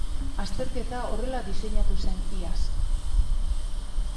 Azterketa horrela diseinatu zen iaz.